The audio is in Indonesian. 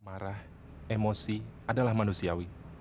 marah emosi adalah manusiawi